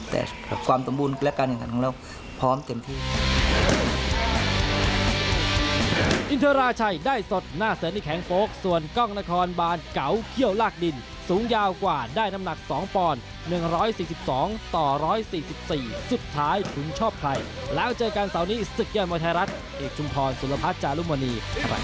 แต่กับความตำบูรณ์และการเนินขันของเราพร้อมเต็มที่